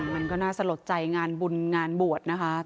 มันก็น่าสะลดใจงานบุญงานบวชนะคะ